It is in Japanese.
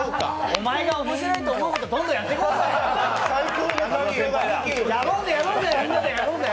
お前が面白いと思うこと、どんどんやっていこうぜ！